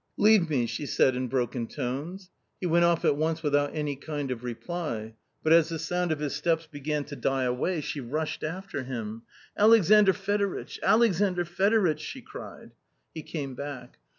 " Leave me !" she said in broken tones. He went off at once without any kind of reply. But as the sound of his steps began to die away she rushed after him ! "Alexandr Fedoritch! Alexandr Fedoritch !" she cried. He came back.